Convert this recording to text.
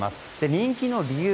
人気の理由